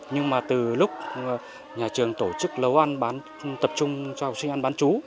nhưng mà từ lúc nhà trường tổ chức lấu ăn bán tập trung cho học sinh ăn bán chú